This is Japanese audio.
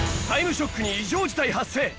『タイムショック』に異常事態発生！